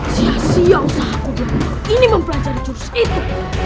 sia sia usaha ku buat ini mempelajari jurus itu